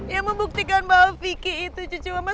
yang membuktikan bahwa vicky itu cucu mama